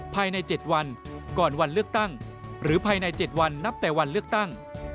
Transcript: ภายใน๗วันก่อนวันเลือกตั้งหรือภายใน๗วันนับแต่วันเลือกตั้ง